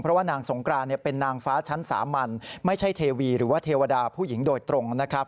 เพราะว่านางสงกรานเป็นนางฟ้าชั้นสามัญไม่ใช่เทวีหรือว่าเทวดาผู้หญิงโดยตรงนะครับ